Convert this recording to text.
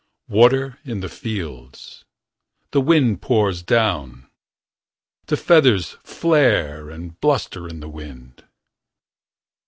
Water in the fields. The wind pours down. The feathers flare And bluster in the wind.